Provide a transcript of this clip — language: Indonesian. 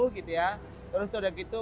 empat puluh gitu ya terus udah gitu